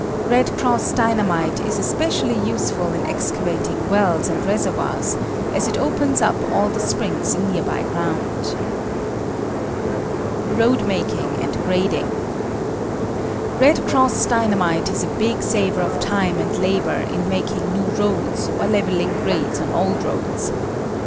"Red Cross" Dynamite is especially useful in excavating wells and reservoirs, as it opens up all the springs in nearby ground. Road Making and Grading. "Red Cross" Dynamite is a big saver of time and labor in making new roads, or leveling grades on old roads.